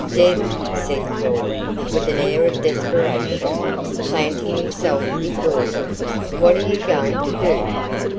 "Deb," said Claud, with an air of desperation, planting himself before her, "what are you going to do?"